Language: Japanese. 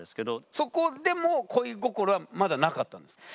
そこでも恋心はまだなかったんですか？